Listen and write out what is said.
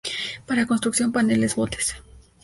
Para construcción, paneles, botes.